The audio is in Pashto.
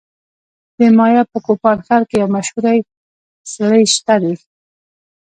د مایا په کوپان ښار کې یو مشهور څلی شته دی